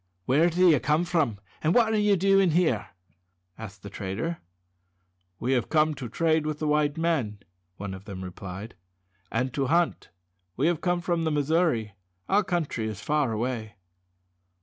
"Where do you come from, and what are you doing here?" asked the trader. "We have come to trade with the white men," one of them replied, "and to hunt. We have come from the Missouri. Our country is far away."